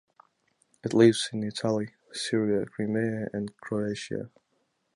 It lives in Italy, Syria, Crimea and Croatia.